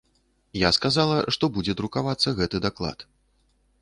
Я сказала, што будзе друкавацца гэты даклад.